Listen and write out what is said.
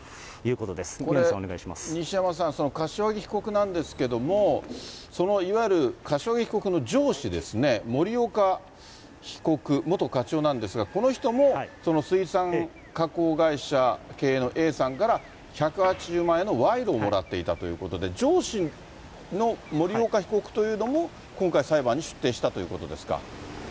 これ、西山さん、柏木被告なんですけれども、いわゆる柏木被告の上司ですね、森岡被告、元課長なんですが、この人も水産加工会社経営のＡさんから、１８０万円の賄賂をもらっていたということで、上司の森岡被告というのも、今回、裁判に出廷したということですか。